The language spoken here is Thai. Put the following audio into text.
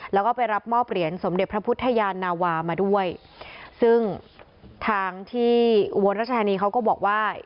แล้วก็ไปรับมอบเหรียญสมเด็จพระพุทธยานาวามาด้วยซึ่งทางที่อุบลรัชธานีเขาก็บอกว่า